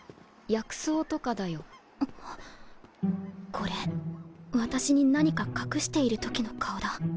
これ私に何か隠している時の顔だ